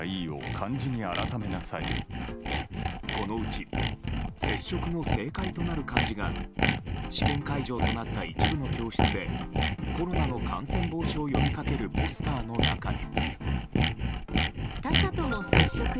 このうち「せっしょく」の正解となる漢字が試験会場となった一部の教室でコロナの感染防止を呼び掛けるポスターの中に。